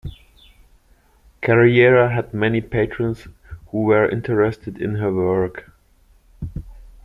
Carriera had many patrons who were interested in her work.